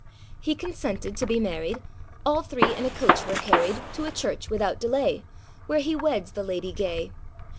â He consented to be married; All three in a coach were carried To a church without delay, Where he weds the lady gay.